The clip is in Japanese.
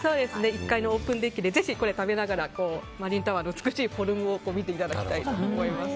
１回のオープンデッキで食べながらぜひマリンタワーの美しいフォルムを見ていただきたいと思います。